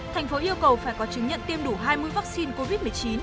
thành phố yêu cầu phải có chứng nhận tiêm đủ hai mươi vaccine covid một mươi chín